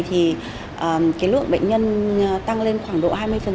thì cái lượng bệnh nhân tăng lên khoảng độ hai mươi